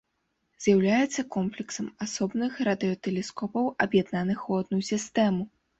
З'яўляецца комплексам асобных радыётэлескопаў аб'яднаных у адну сістэму.